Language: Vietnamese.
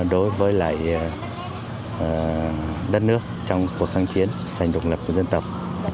đối với lại đất nước trong cuộc kháng chiến dành độc lập của dân tộc